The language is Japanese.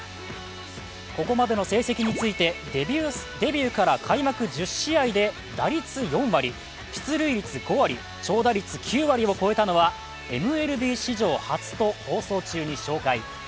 ここまでの成績についてデビューから開幕１０試合で打率４割、出塁率５割超打率９割を超えたのはＭＬＢ史上初と放送中に紹介。